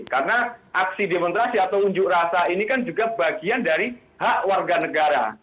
karena aksi demontrasi atau unjuk rasa ini kan juga bagian dari hak warga negara